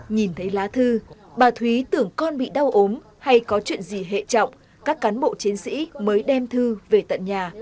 nhìn thấy lá thư bà thúy tưởng con bị đau ốm hay có chuyện gì hệ trọng các cán bộ chiến sĩ mới đem thư về tận nhà